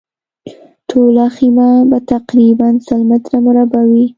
ټوله خیمه به تقریباً سل متره مربع وي.